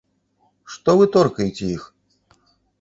Што вы торкаеце іх?